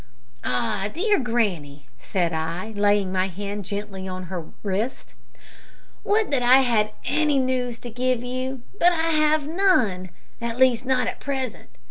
"Ah! dear granny," said I, laying my hand gently on her wrist, "would that I had any news to give you, but I have none at least not at present.